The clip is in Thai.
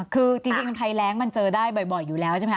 คือจริงภัยแรงมันเจอได้บ่อยอยู่แล้วใช่ไหมค